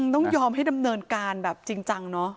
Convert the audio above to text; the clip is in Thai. ต้องยอมให้ดำเนินการแบบจริงจังเนอะ